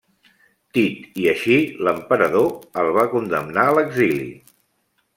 Tit i així l'emperador el va condemnar a l'exili.